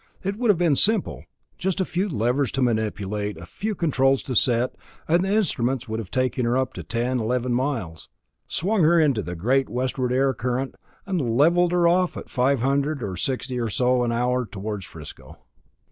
It would have been simple just a few levers to manipulate, a few controls to set, and the instruments would have taken her up to ten or eleven miles, swung her into the great westward air current, and leveled her off at five hundred and sixty or so an hour toward 'Frisco'.